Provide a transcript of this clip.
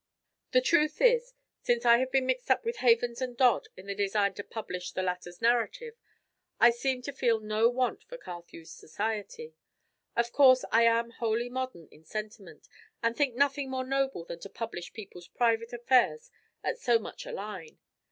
The truth is, since I have been mixed up with Havens and Dodd in the design to publish the latter's narrative, I seem to feel no want for Carthew's society. Of course I am wholly modern in sentiment, and think nothing more noble than to publish people's private affairs at so much a line.